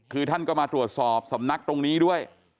คือท่านก็มาตรวจสอบสำนักตรงนี้ด้วย